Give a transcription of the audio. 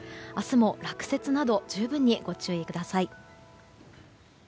明日も落雪など十分にご注意ください。